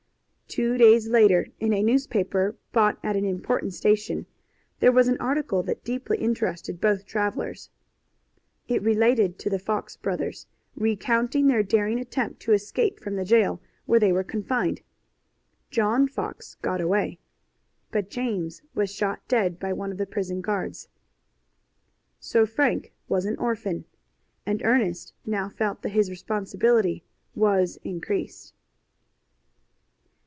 Two days later, in a newspaper bought at an important station, there was an article that deeply interested both travelers. It related to the Fox brothers, recounting their daring attempt to escape from the jail where they were confined. John Fox got away, but James was shot dead by one of the prison guards. So Frank was an orphan, and Ernest now felt that his responsibility was increased.